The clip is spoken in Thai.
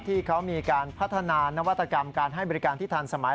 ที่เขามีการพัฒนานวัตกรรมการให้บริการที่ทันสมัย